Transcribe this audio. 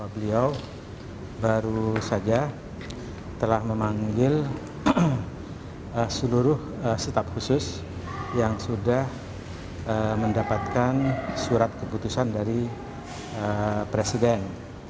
beliau baru saja telah memanggil seluruh staf khusus yang sudah mendapatkan surat keputusan dari presiden